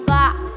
iya juga sih ya